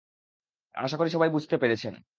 আশাকরি সবাই বুঝতে পেরেছেন।